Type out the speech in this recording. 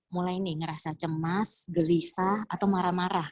mulai nih ngerasa cemas gelisah atau marah marah